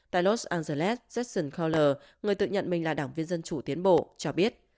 tại los angeles jackson kohler người tự nhận mình là đảng viên dân chủ tiến bộ cho biết